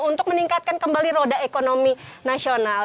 untuk meningkatkan kembali roda ekonomi nasional